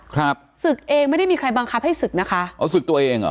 ครับศึกเองไม่ได้มีใครบังคับให้ศึกนะคะอ๋อศึกตัวเองเหรอ